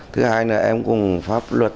thứ hai là em cũng pháp luật